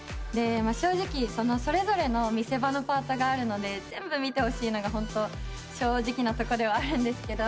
正直それぞれの見せ場のパートがあるので全部見てほしいのが正直なとこではあるんですけど。